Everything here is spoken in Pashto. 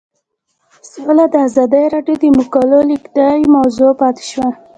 سوله د ازادي راډیو د مقالو کلیدي موضوع پاتې شوی.